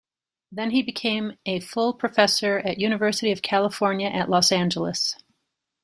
Then he became a full professor at University of California at Los Angeles.